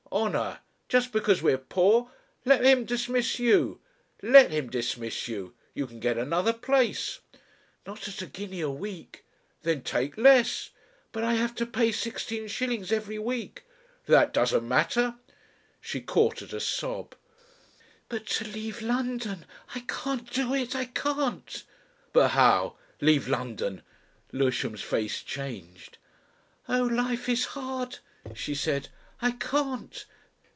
Honour! Just because we are poor Let him dismiss you! Let him dismiss you. You can get another place " "Not at a guinea a week." "Then take less." "But I have to pay sixteen shillings every week." "That doesn't matter." She caught at a sob, "But to leave London I can't do it, I can't." "But how? Leave London?" Lewisham's face changed. "Oh! life is hard," she said. "I can't.